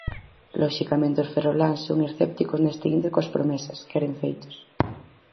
Loxicamente os ferroláns son escépticos neste intre coas promesas, queren feitos.